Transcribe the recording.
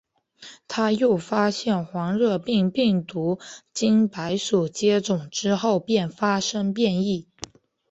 他又发现黄热病病毒经白鼠接种之后便发生变异。